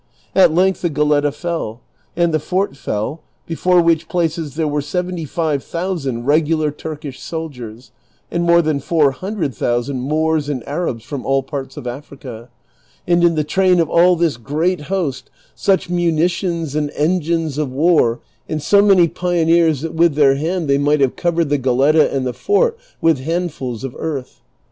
At length the Goletta fell, and the fort fell, before which places there were seventy five thousand regular Turkish soldiers, and more than four hundred thousand Moors and Arabs from all parts of Africa, and in the train of all this great host such munitions and engines of war, and so many pioneers that with their hand they might liave covered the Goletta and the fort with handfuls of earth.